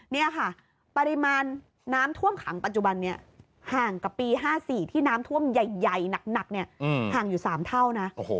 นี่ค่ะปริมาณน้ำท่วมขังปัจจุบันนี้ห่างกับปี๕๔ที่น้ำท่วมใหญ่หนักห่างอยู่๓เท่านะ